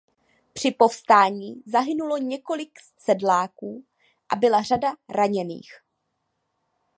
Při povstání zahynulo několik sedláků a byla řada raněných.